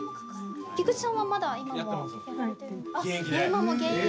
菊地さんはまだ今もやられてる？